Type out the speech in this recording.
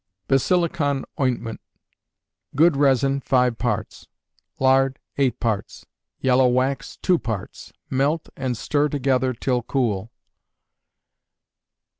Basilicon Ointment. Good resin, five parts; lard, eight parts; yellow wax, two parts. Melt, and stir together till cool.